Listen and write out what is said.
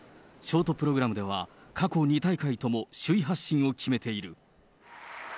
ショートプログラムでは過去２大会とも首位発進を決めている。